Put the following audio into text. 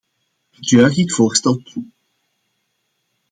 Ik juich dit voorstel toe.